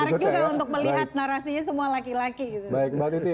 menarik juga untuk melihat narasinya semua laki laki gitu